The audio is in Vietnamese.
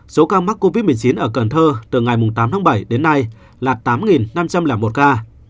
số ca mắc covid một mươi chín ở cần thơ từ ngày tám tháng bảy đến nay là tám năm trăm linh một ca